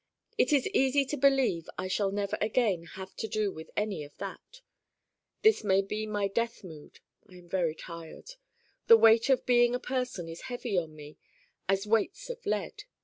It is easy to believe I shall never again have to do with any of that. This may be my death mood. I am very tired. The weight of being a person is heavy on me as weights of lead.